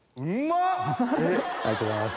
ありがとうございます。